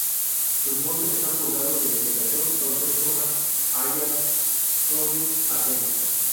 Sus montes están poblados de vegetación autóctona: hayas, robles, acebos.